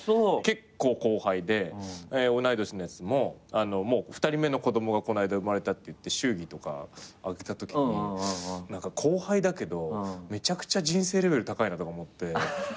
結構後輩で同い年のやつも２人目の子供がこないだ生まれたっていって祝儀とかあげたときに何か後輩だけどめちゃくちゃ人生レベル高いなとか思って。